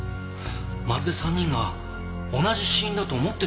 まるで３人が同じ死因だと思ってるみたいでした。